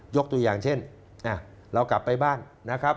ตัวอย่างเช่นเรากลับไปบ้านนะครับ